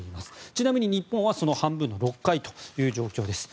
ちなみに日本はその半分の６回という状況です。